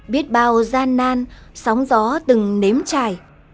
biết bao gian nan sóng gió từng nếm chài